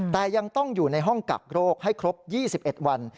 แต่ยังต้องอยู่ในห้องกักโรคให้ครบ๒๑วัน